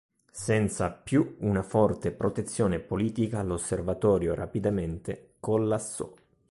Senza più una forte protezione politica, l'Osservatorio rapidamente collassò.